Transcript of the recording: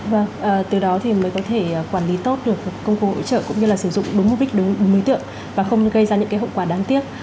vâng từ đó thì mới có thể quản lý tốt được công cụ hỗ trợ cũng như là sử dụng đúng mưu tượng và không gây ra những hậu quả đáng tiếc